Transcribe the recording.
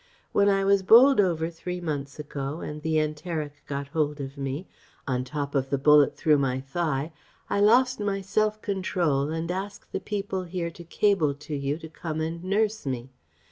When I was bowled over three months ago and the enteric got hold of me, on top of the bullet through my thigh, I lost my self control and asked the people here to cable to you to come and nurse me.